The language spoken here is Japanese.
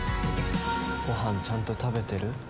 「ご飯ちゃんと食べてる？」